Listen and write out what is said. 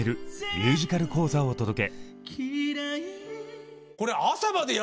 「ミュージカル講座」をお届け！